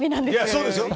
いや、そうですよ。